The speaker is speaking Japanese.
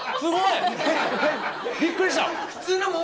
びっくりした！